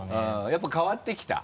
やっぱ変わってきた？